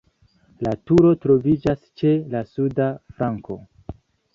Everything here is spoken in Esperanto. La turo troviĝas ĉe la suda flanko.